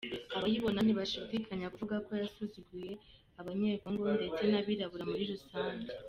Abayibona ntibashidikanya kuvuga ko yasuzuguye Abanyekongo ndetse n’abirabura muri rusange.